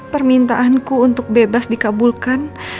permintaanku untuk bebas dikabulkan